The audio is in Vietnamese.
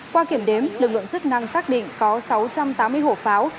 qua kiểm đếm lực lượng chức năng xác định có sáu trăm tám mươi hộp pháo